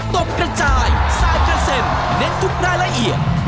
ตบกระจายซ่ายเกษ็นเด้นทุกหน้าระเอียด